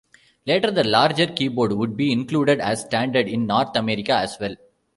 Later, the larger keyboard would be included as standard in North America as well.